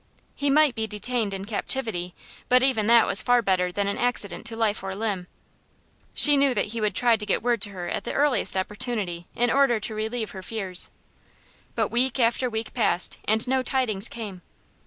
He might be detained in captivity, but even that was far better than an accident to life or limb. She knew that he would try to get word to her at the earliest opportunity, in order to relieve her fears. But week after week passed, and no tidings came.